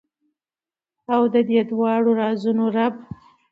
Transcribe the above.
او ددې دواړو رازونو رب ،